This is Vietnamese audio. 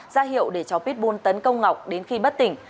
ra hiệu để cho pitbull tấn công ngọc đến khi bất tỉnh